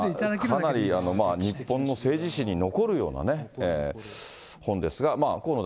かなり日本の政治史に残るような本ですが。